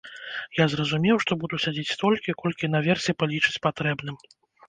Я зразумеў, што буду сядзець столькі, колькі наверсе палічаць патрэбным.